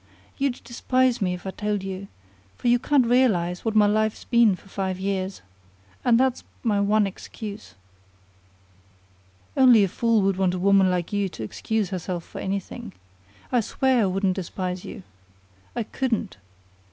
"You'd despise me if I told you, for you can't realize what my life's been for five years. And that's my one excuse." "Only a fool would want a woman like you to excuse herself for anything. I swear I wouldn't despise you. I couldn't.